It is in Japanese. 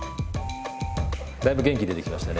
だいぶ元気出てきましたね。